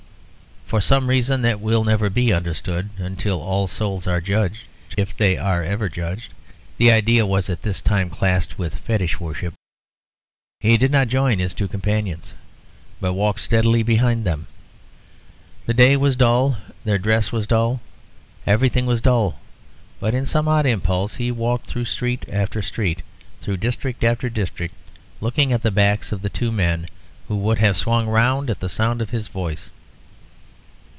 For some reason that will never be understood until all souls are judged (if they are ever judged; the idea was at this time classed with fetish worship) he did not join his two companions, but walked steadily behind them. The day was dull, their dress was dull, everything was dull; but in some odd impulse he walked through street after street, through district after district, looking at the backs of the two men, who would have swung round at the sound of his voice.